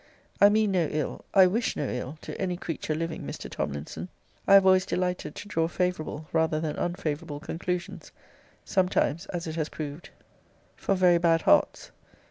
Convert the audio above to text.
I mean no ill, I wish no ill, to any creature living, Mr. Tomlinson. I have always delighted to draw favourable rather than unfavourable conclusions; sometimes, as it has proved, for very bad hearts.